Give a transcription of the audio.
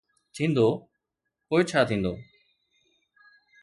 ٿيندو، پوءِ ڇا ٿيندو؟